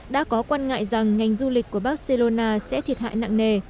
đã có quan ngại rằng ngành du lịch của barcelona sẽ thiệt hại nặng nề